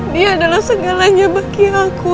dia adalah segalanya bagi aku